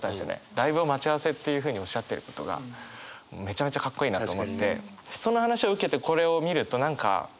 ライブを待ち合わせっていうふうにおっしゃってることがめちゃめちゃかっこいいなと思って。